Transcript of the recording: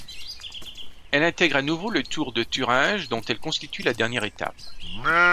Elle intègre à nouveau le Tour de Thuringe, dont elle constitue la dernière étape.